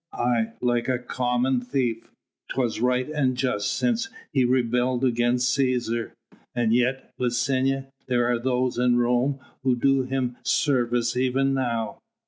"Aye! like a common thief. 'Twas right and just since he rebelled against Cæsar." "And yet, Licinia, there are those in Rome who do him service even now."